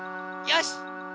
よし！